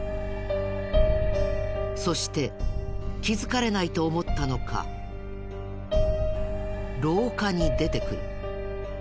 そして気づかれないと思ったのか廊下に出てくる。